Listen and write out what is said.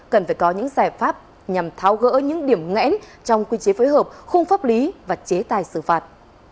cần phải có những giải pháp nhằm tháo gỡ những điểm ngẽn trong quy chế phối hợp khung pháp lý và chế tài xử phạt